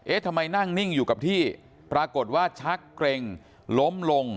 ทำไมนั่งนิ่งอยู่กับที่ปรากฏว่าชักเกร็งล้มลง